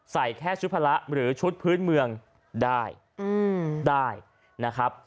ใส่แค่ชุดพละหรือชุดพื้นเมืองได้ได้นะครับ